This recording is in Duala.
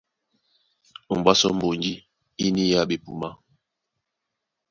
Ombwá sɔ́ mbonji í niyá ɓepumá.